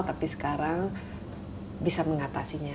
tapi sekarang bisa mengatasinya